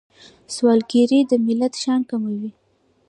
سوالګري د ملت شان کموي